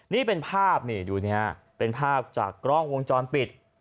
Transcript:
นี่เป็นภาพเป็นภาพจากกล้องวงจรปิด